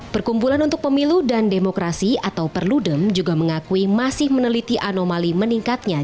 perkumpulan untuk pemilu dan demokrasi atau perludem juga mengakui masih meneliti anomali meningkatnya